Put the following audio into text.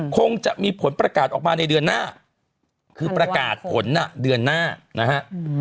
คงจะมีผลประกาศออกมาในเดือนหน้าคือประกาศผลเดือนหน้านะฮะ